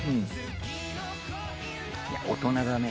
大人だね。